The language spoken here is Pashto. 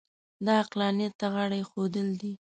دا عقلانیت ته غاړه اېښودل دي.